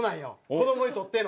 子どもにとっての。